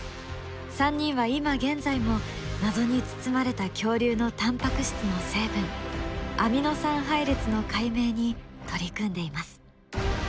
３人は今現在も謎に包まれた恐竜のタンパク質の成分アミノ酸配列の解明に取り組んでいます。